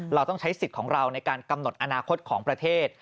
เราต้องใช้สิทธิ์ของเราในการกำหนดอนาคตของประเทศ